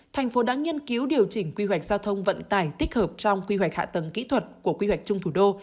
thành phố đã nghiên cứu điều chỉnh quy hoạch giao thông vận tải tích hợp trong quy hoạch hạ tầng kỹ thuật của quy hoạch chung thủ đô